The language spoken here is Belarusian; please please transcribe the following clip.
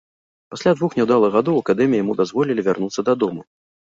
Пасля двух няўдалых гадоў у акадэміі яму дазволілі вярнуцца дадому.